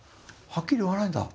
はっきり言わないんだ